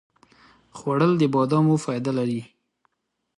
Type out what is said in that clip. خوړل د بادامو فایده لري